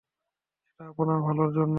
এটা আপনার ভালোর জন্যেই।